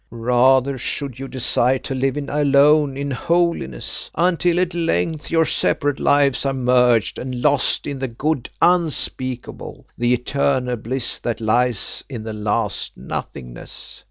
"Rather should you desire to live alone in holiness until at length your separate lives are merged and lost in the Good Unspeakable, the eternal bliss that lies in the last Nothingness.